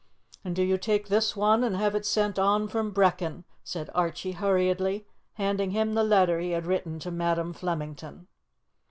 "And do you take this one and have it sent on from Brechin," said Archie hurriedly, handing him the letter he had written to Madam Flemington.